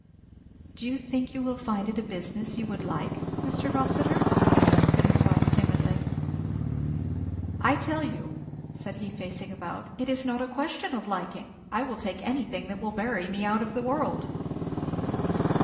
"Do you think you will find it a business you would like, Mr. Rossitur?" said his wife timidly. "I tell you," said he facing about, "it is not a question of liking. I will like anything that will bury me out of the world!"